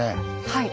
はい。